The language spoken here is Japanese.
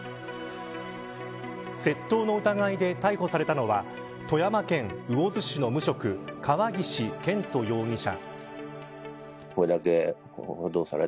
窃盗の疑いで逮捕されたのは富山県魚津市の無職川岸堅斗容疑者。